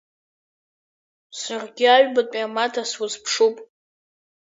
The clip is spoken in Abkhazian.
Саргьы аҩбатәи амаҭа слызԥшуп.